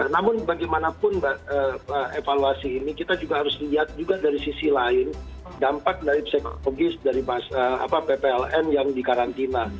namun bagaimanapun evaluasi ini kita juga harus lihat juga dari sisi lain dampak dari psikologis dari ppln yang dikarantina